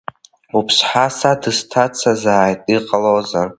Уԥҳа са дысҭацазааит, иҟалозар!